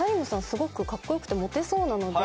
すごくカッコ良くてモテそうなので。